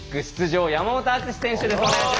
出場山本篤選手です。